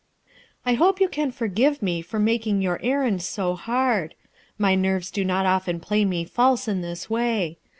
"I hope you can forgive me for making your errand so hard. My nerves do not often play me false in this way.